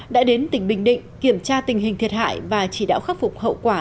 đã đến tỉnh bình định kiểm tra tình hình thiệt hại và chỉ đạo khắc phục hậu quả